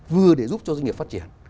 vừa để giúp cho doanh nghiệp phát triển